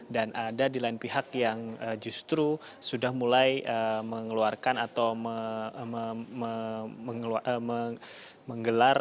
dan ada di lain pihak yang justru sudah mulai mengeluarkan atau menggelar